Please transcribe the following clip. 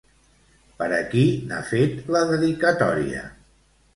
Per a qui n'ha fet la dedicatòria?